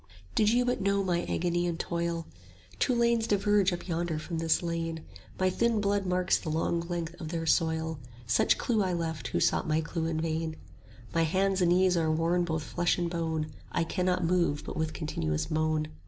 Did you but know my agony and toil! Two lanes diverge up yonder from this lane; My thin blood marks the long length of their soil; 45 Such clue I left, who sought my clue in vain: My hands and knees are worn both flesh and bone; I cannot move but with continual moan.